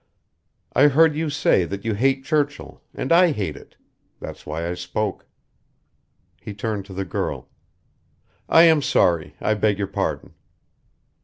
I heard you say that you hate Churchill, and I hate it. That is why I spoke." He turned to the girl. "I am sorry. I beg your pardon."